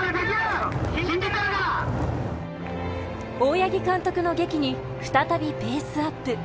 大八木監督の檄に再びペースアップ。